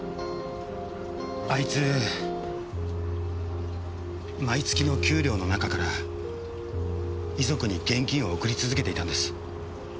あいつ毎月の給料の中から遺族に現金を送り続けていたんです。